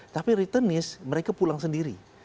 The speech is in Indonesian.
tapi retenist mereka pulang sendiri